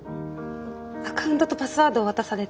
アカウントとパスワードを渡されて。